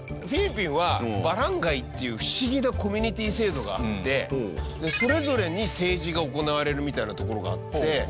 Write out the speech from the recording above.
フィリピンはバランガイっていう不思議なコミュニティー制度があってそれぞれに政治が行われるみたいなところがあって。